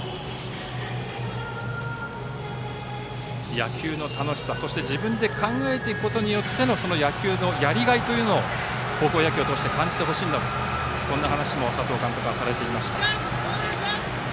野球の楽しさ自分で考えることによっての野球のやりがいというのを高校野球を通して感じてほしいんだという話も佐藤監督はされていました。